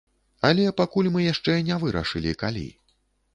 Але пакуль мы яшчэ не вырашылі, калі.